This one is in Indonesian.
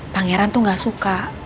pangeran tuh gak suka